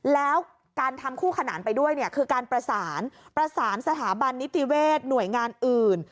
แล้วการทำคู่ขนานไปด้วยคือการประสานสถาบันนิติเวทย์หน่วยงานอื่น